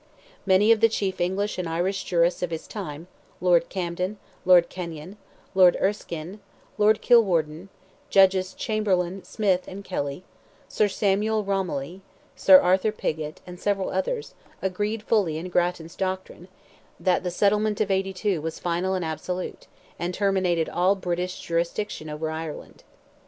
Many of the chief English and Irish jurists of his time, Lord Camden, Lord Kenyon, Lord Erskine, Lord Kilwarden, Judges Chamberlain, Smith, and Kelly, Sir Samuel Rommilly, Sir Arthur Pigott, and several others, agreed fully in Grattan's doctrine, that the settlement of '82 was final and absolute, and "terminated all British jurisdiction over Ireland."